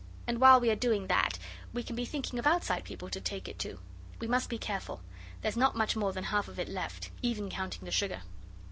And while we are doing that, we can be thinking of outside people to take it to. We must be careful: there's not much more than half of it left, even counting the sugar.